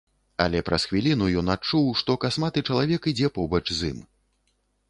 Але праз хвіліну ён адчуў, што касматы чалавек ідзе побач з ім.